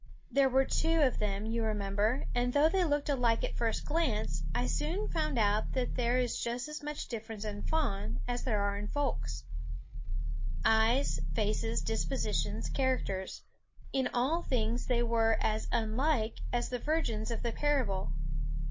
There were two of them, you remember ; and though they looked alike at first glance, I soon found out that there is just as much difference in fawns as there is in folks. Eyes, faces, dispositions, characters, in all things they were as unlike as the virgins of the parable.